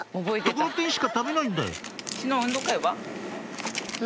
ところてんしか食べないんだ